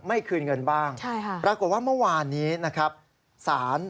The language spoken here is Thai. คืนเงินบ้างใช่ค่ะปรากฏว่าเมื่อวานนี้นะครับศาล